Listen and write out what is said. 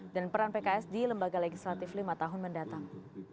dan peran pks di lembaga legislatif lima tahun mendatang